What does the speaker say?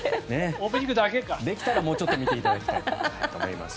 できたらもうちょっと見ていただきたいと思います。